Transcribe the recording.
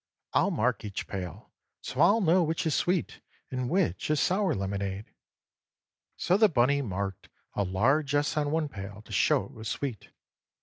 "I'll mark each pail so I'll know which is sweet and which is sour lemonade." So the bunny marked a large S on one pail, to show it was sweet.